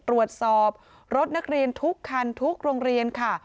ตรวจสอบรถนักเรียนทุกคันทุกโรงเรียนค่ะ